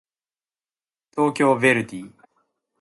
東京ヴェルディ